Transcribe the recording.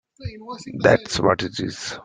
That’s what it is!